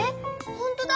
ほんとだ！